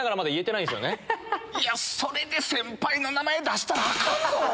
いや、それで先輩の名前出したらあかんわ。